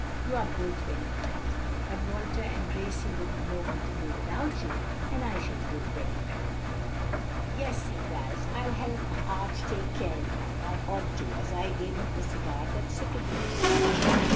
"You are both very kind, but Walter and Gracie wouldn't know what to do without you; and I shall do very well." "Yes," said Ralph, "I'll help Art take care of him. I ought to, as I gave him the cigar that sickened him so."